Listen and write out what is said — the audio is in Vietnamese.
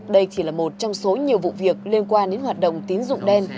đây chỉ là một trong số nhiều vụ việc liên quan đến hoạt động tín dụng đen